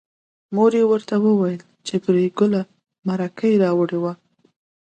مور یې ورته وویل چې پري ګله مرکه راوړې وه